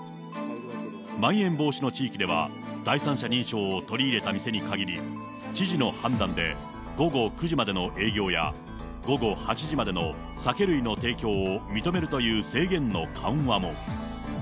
まん延防止の地域では、第三者認証を取り入れた店に限り、知事の判断で午後９時までの営業や、午後８時までの酒類の提供を認めるという制限の緩和も。